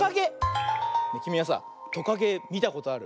きみはさトカゲみたことある？